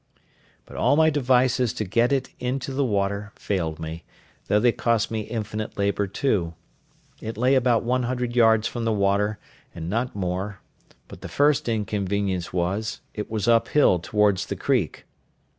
But all my devices to get it into the water failed me; though they cost me infinite labour too. It lay about one hundred yards from the water, and not more; but the first inconvenience was, it was up hill towards the creek.